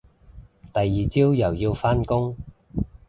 第二朝又要返工